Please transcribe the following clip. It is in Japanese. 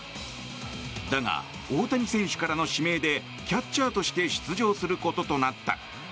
だが、大谷選手からの指名でキャッチャーとして出場することとなった。